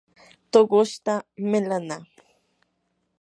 tuqushta millanaa.